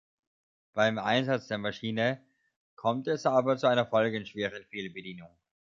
Beim Einsatz der Maschine kommt es aber zu einer folgenschweren Fehlbedienung.